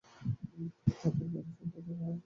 তাদের কারো সাথে দেখা হয়েছে?